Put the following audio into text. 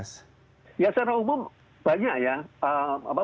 ya secara umum banyak ya